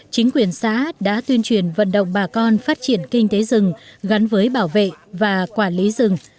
chính quyền xã đã tuyên truyền vận động bà con phát triển kinh tế rừng gắn với bảo vệ và quản lý rừng